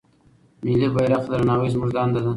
ملي بيرغ ته درناوی زموږ دنده ده.